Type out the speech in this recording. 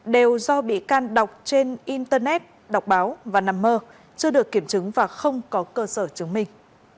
đều do bị can đọc trên internet đọc báo và nằm mơ chưa được kiểm chứng và không có cơ sở chứng minh